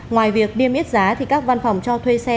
ngoài việc niêm yết giá thì các văn phòng cho thuê xe